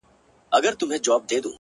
دا سپوږمۍ وينې ـ